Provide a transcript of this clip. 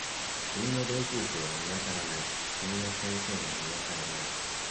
君の同級生は見当たらない。君の先生も見当たらない